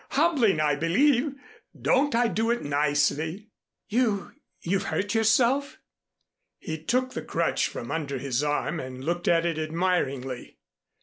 Hobbling, I believe. Don't I do it nicely?" "You you've hurt yourself?" He took the crutch from under his arm and looked at it admiringly.